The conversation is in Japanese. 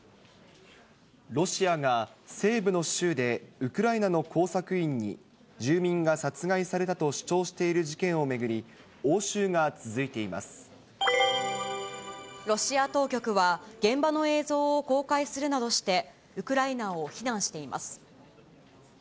ロシアが西部の州でウクライナの工作員に、住民が殺害されたと主張している事件を巡り、ロシア当局は、現場の映像を公開するなどして、ウクライナを非難しています。